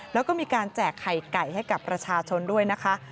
แล้วก็มีการแจกไข่ไก่ให้กับประชาชนด้วยนะคะ